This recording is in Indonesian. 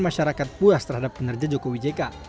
masyarakat puas terhadap kinerja jokowi jk